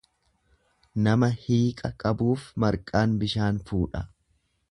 Nama hiiqa qabuuf marqaan bishaan fuudha.